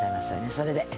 それで。